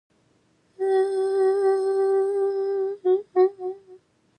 Turduli and Turdetani are believed to be of Tartessian language.